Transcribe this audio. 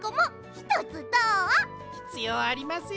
ひつようありません！